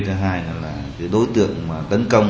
thứ hai là đối tượng tấn công